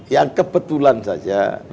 yang kebetulan saja